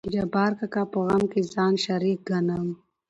د جبار کاکا په غم کې ځان شريک ګنم.